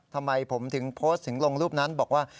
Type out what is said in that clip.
ทำไมผมถึงโพสต์ถึงลงรูปนั้นบอกว่า